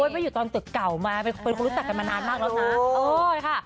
เพราะอยู่ตอนตึกเก่ามาเป็นคนรู้จักกันมานานมากแล้วนะ